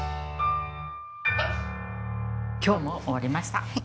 今日も終わりました。